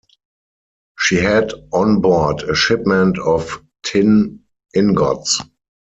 She had on board a shipment of tin ingots.